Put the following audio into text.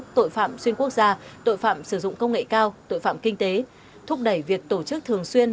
tội phạm xuyên quốc gia tội phạm sử dụng công nghệ cao tội phạm kinh tế thúc đẩy việc tổ chức thường xuyên